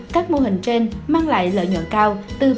các mô hình trên mang lại lợi nhuận cao từ ba mươi bốn mươi